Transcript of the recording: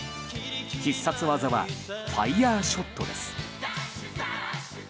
必殺技はファイヤーショットです。